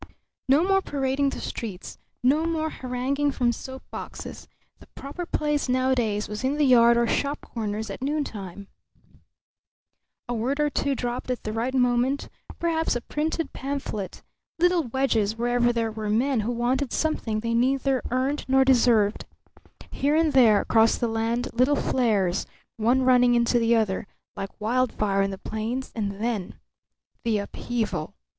No more parading the streets, no more haranguing from soap boxes. The proper place nowadays was in the yard or shop corners at noontime. A word or two dropped at the right moment; perhaps a printed pamphlet; little wedges wherever there were men who wanted something they neither earned nor deserved. Here and there across the land little flares, one running into the other, like wildfire on the plains, and then the upheaval.